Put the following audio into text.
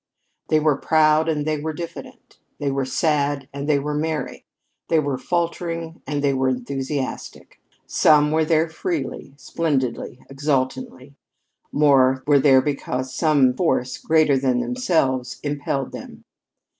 They were proud and they were diffident; they were sad and they were merry; they were faltering and they were enthusiastic. Some were there freely, splendidly, exultantly; more were there because some force greater than themselves impelled them.